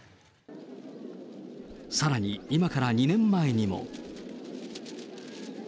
さらに、今から２年前にも。